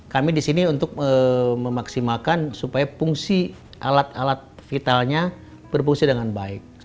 kami di sini untuk memaksimalkan supaya fungsi alat alat vitalnya berfungsi dengan baik